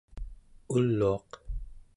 uluaq